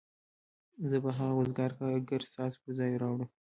زه به هغه وزګار کارګر ستاسو پر ځای راوړم